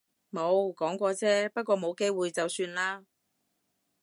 冇，講過啫。不過冇機會就算喇